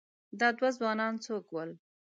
_پوښتنه، دا دوه ځوانان څوک ول؟